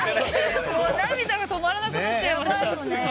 涙が止まらなくなっちゃいました。